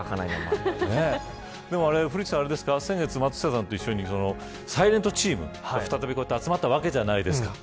古市さん、先月松下さんと一緒にｓｉｌｅｎｔチームで再び集まったわけじゃないですか。